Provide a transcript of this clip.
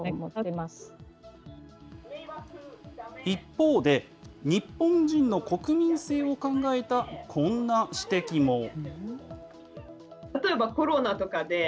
一方で、日本人の国民性を考えたこんな指摘も。